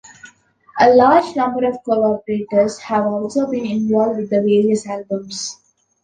A large number of collaborators have also been involved with the various albums.